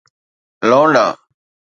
لونڊا